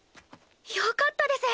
よかったです。